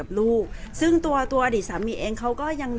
แต่ว่าสามีด้วยคือเราอยู่บ้านเดิมแต่ว่าสามีด้วยคือเราอยู่บ้านเดิม